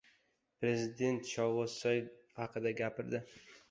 Prezident «Shovvozsoy» haqida gapirdi